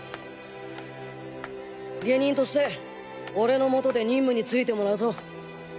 下忍として俺の下で任務に就いてもらうぞ。